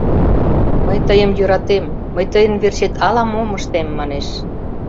Мый тыйым йӧратем, мый тыйын верчет ала-мом ыштем», — манеш.